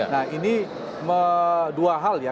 nah ini dua hal ya